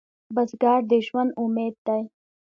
بزګر د ژوند امید دی